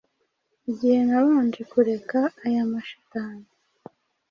Igihe nabanje kureka aya mashitani,